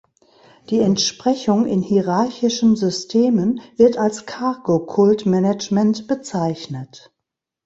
Die Entsprechung in hierarchischen Systemen wird als Cargo-Kult-Management bezeichnet.